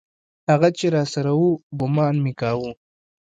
هغه چې راسره و ګومان مې کاوه.